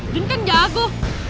jun kan jago